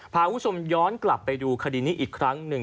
พาคุณผู้ชมย้อนกลับไปดูคดีนี้อีกครั้งหนึ่ง